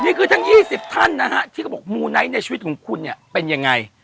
นี่คือทั้ง๒๐ท่านนะฮะที่เขาบอกมูไนท์ในชีวิตของคุณเนี่ยเป็นยังไง